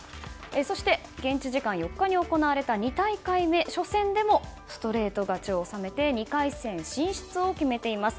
そして、現地時間４日に行われた２大会目の初戦でもストレート勝ちを収めて２回戦進出を決めています。